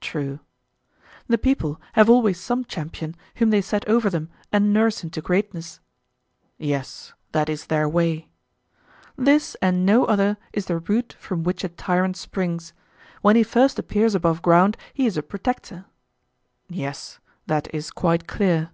True. The people have always some champion whom they set over them and nurse into greatness. Yes, that is their way. This and no other is the root from which a tyrant springs; when he first appears above ground he is a protector. Yes, that is quite clear.